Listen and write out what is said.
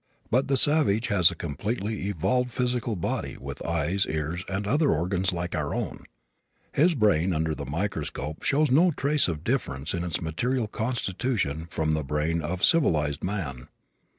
But the savage has a completely evolved physical body with eyes, ears and other organs like our own. His brain under the microscope shows no trace of difference in its material constitution from the brain of civilized man.